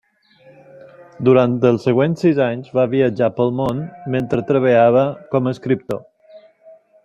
Durant els següents sis anys va viatjar pel món mentre treballava com a escriptor.